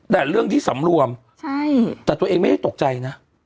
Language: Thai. แต่เรื่องที่สำรวมใช่แต่ตัวเองไม่ได้ตกใจนะ